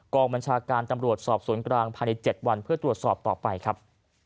กองบัญชาการตำรวจสอบสวนกลางภายใน๗วันเพื่อตรวจสอบต่อไปครับ